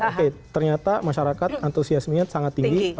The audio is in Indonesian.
oke ternyata masyarakat antusiasmenya sangat tinggi